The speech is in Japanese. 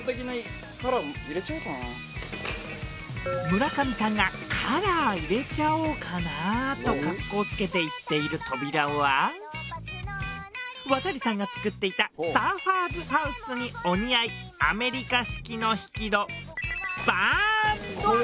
村上さんが「カラー入れちゃおうかな」と格好をつけて言っている扉は亘さんが作っていたサーファーズハウスにお似合いアメリカ式の引き戸バーンドア。